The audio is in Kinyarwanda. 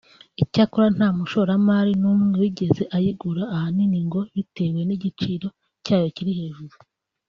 Icyakora nta mushoramari n’umwe wigeze ayigura ahanini ngo bitewe n’igiciro cyayo kiri hejuru